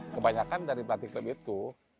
kebanyakan dari pelatih klub itu